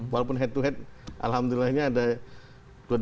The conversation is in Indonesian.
walaupun head to head alhamdulillah ini ada